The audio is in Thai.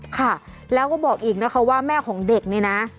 ค่ะแล้วก็บอกอีกนะคะว่าแม่ของเด็กเนี่ยนะ